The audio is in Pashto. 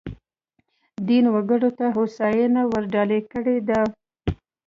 دین وګړو ته هوساینه ورډالۍ کړې ده.